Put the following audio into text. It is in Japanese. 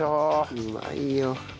うまいよ。